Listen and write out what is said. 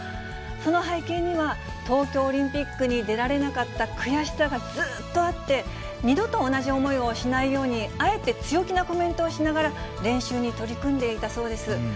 その背景には、東京オリンピックに出られなかった悔しさがずっとあって、二度と同じ思いをしないように、あえて強気なコメントをしながら、練習に取り組んでいたそうです。